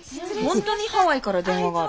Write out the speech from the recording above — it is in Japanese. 本当にハワイから電話があるの？